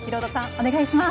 お願いします。